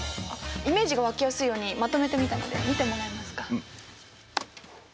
イメージが湧きやすいようにまとめてみたので見てもらえますか？